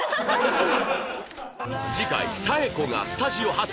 次回紗栄子がスタジオ初登場